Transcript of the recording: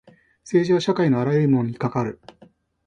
政治は社会のあらゆるものに関わる。